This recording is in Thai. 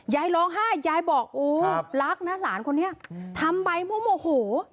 ยายร้องไห้ยายบอกโอ้รักนะหลานคนนี้ทำไปเพราะโมโห